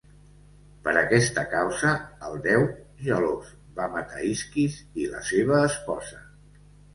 Per aquesta causa el déu, gelós, va matar Isquis i la seva esposa.